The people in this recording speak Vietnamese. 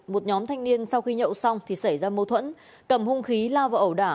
một nhóm thanh niên sau khi nhậu xong thì xảy ra mâu thuẫn cầm hung khí lao vào ẩu đả